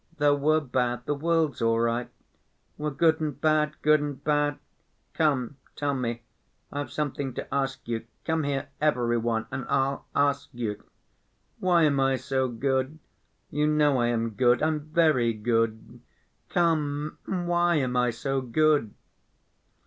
Though we're bad the world's all right. We're good and bad, good and bad.... Come, tell me, I've something to ask you: come here every one, and I'll ask you: Why am I so good? You know I am good. I'm very good.... Come, why am I so good?"